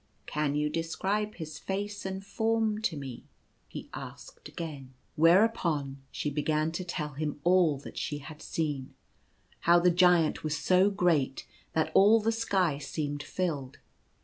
" Can you describe his face and form to me ?" he asked again. Whereupon she began to tell him all that she had seen. How the Giant was so great that all the sky seemed filled.